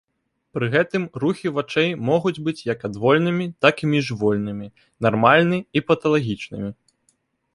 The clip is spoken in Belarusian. Пры гэтым рухі вачэй могуць быць як адвольнымі так і міжвольнымі, нармальны і паталагічнымі.